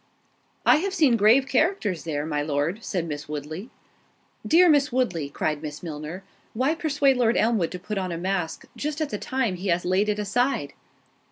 "I have seen grave characters there, my Lord," said Miss Woodley. "Dear Miss Woodley," cried Miss Milner, "why persuade Lord Elmwood to put on a mask, just at the time he has laid it aside?"